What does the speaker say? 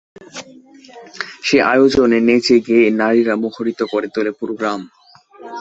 সে আয়োজনে নেচে-গেয়ে নারীরা মুখরিত করে তোলে পুরো গ্রাম।